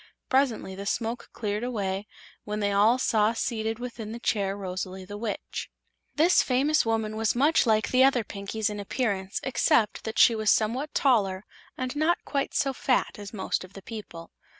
Presently the smoke cleared away, when they all saw seated within the chair Rosalie the Witch. This famous woman was much like the other Pinkies in appearance except that she was somewhat taller and not quite so fat as most of the people.